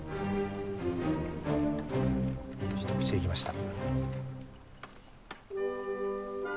一口でいきました。